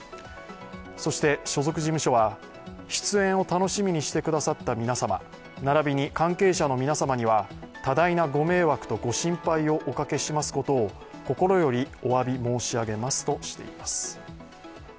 そして所属事務所は、出演を楽しみにしてくださった皆様、ならびに関係者の皆様には多大なご迷惑とご心配をおかけしますことを心よりおわび申し上げますとしています。